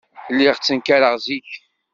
Lliɣ ttenkareɣ zik.